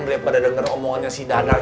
daripada denger omongannya si dadang